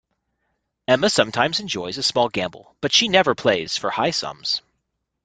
Emma sometimes enjoys a small gamble, but she never plays for high sums